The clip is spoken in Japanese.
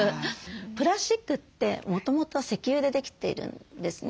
プラスチックってもともと石油でできているんですね。